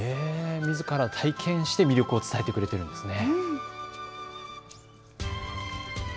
みずから体験して魅力を伝えてくれてるんですね。